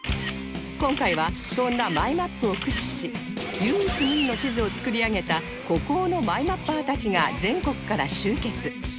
今回はそんなマイマップを駆使し唯一無二の地図を作り上げた孤高のマイマッパーたちが全国から集結